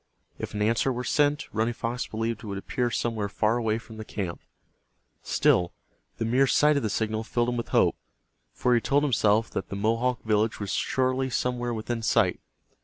If an answer were sent, Running Fox believed it would appear somewhere far away from the camp. Still, the mere sight of the signal filled him with hope, for he told himself that the Mohawk village was surely somewhere within sight.